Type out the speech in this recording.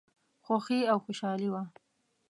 خوښي او خوشالي وه.